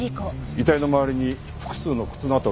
遺体の周りに複数の靴の跡があります。